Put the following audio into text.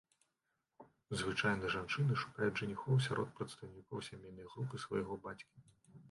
Звычайна жанчыны шукаюць жаніхоў сярод прадстаўнікоў сямейнай групы свайго бацькі.